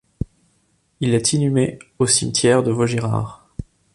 Il est inhumé au cimetière de Vaugirard.